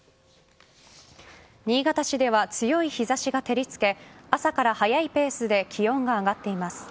新潟市では強い日差しが照りつけ朝から速いペースで気温が上がっています。